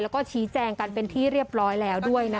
แล้วก็ชี้แจงกันเป็นที่เรียบร้อยแล้วด้วยนะคะ